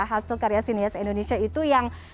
hasil karya sinias indonesia itu yang